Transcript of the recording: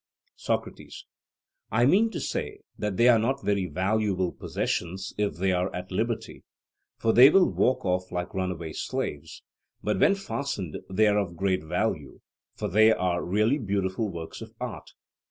SOCRATES: I mean to say that they are not very valuable possessions if they are at liberty, for they will walk off like runaway slaves; but when fastened, they are of great value, for they are really beautiful works of art.